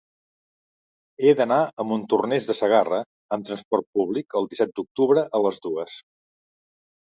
He d'anar a Montornès de Segarra amb trasport públic el disset d'octubre a les dues.